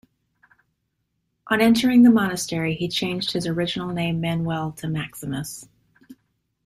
On entering the monastery he changed his original name Manuel to Maximus.